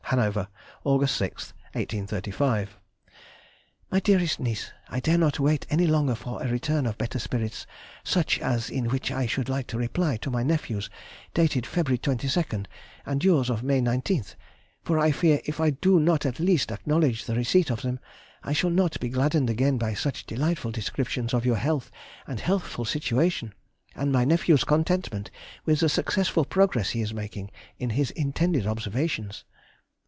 HANOVER, August 6, 1835. MY DEAREST NIECE,— I dare not wait any longer for a return of better spirits, such as in which I should like to reply to my nephew's dated February 22nd, and yours of May 19th, for I fear if I do not at least acknowledge the receipt of them, I shall not be gladdened again by such delightful descriptions of your health and healthful situation, and my nephew's contentment with the successful progress he is making in his intended observations.